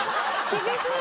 厳しい。